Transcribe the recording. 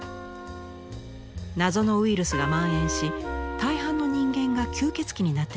謎のウイルスがまん延し大半の人間が吸血鬼になってしまいます。